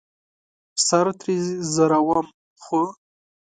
سر ترې ځاروم ،خو